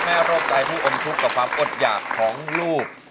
โรคใดผู้อมทุกข์กับความอดหยากของลูก